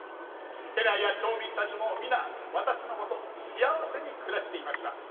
家来や町民たちも皆私のもと幸せに暮らしていました。